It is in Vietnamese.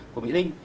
của mỹ linh